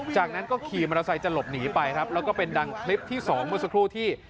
จากนั้นก็ขี่มอเตอร์ไซค์จะหลบหนีไปครับแล้วก็เป็นดังคลิปที่สองเมื่อสักครู่ที่